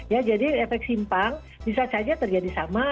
ya jadi efek simpang bisa saja terjadi sama